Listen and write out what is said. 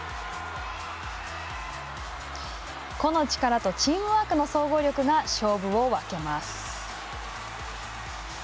個の力とチームワークの総合力が勝負を分けます。